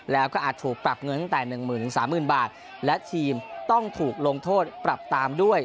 แล้วก็อาจถูกปรับเงินตั้งแต่หนึ่งหมื่นถึงสามหมื่นบาทและทีมต้องถูกลงโทษปรับตามด้วย